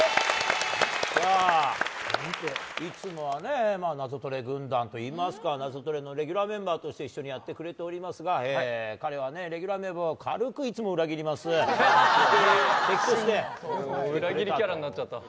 いつもは「ナゾトレ」軍団といいますか「ナゾトレ」のレギュラーメンバーとして一緒にやってくれていますが彼はレギュラーメンバーを裏切りキャラになっちゃった。